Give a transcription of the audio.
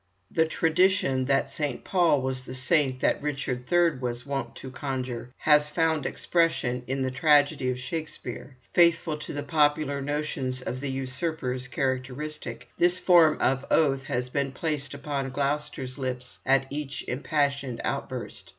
The tradition that St. Paul was the saint that Richard III. was wont to conjure with, has found expression in the tragedy of Shakespeare. Faithful to the popular notions of the usurper's characteristic, this form of oath has been placed upon Gloucester's lips at each impassioned outburst.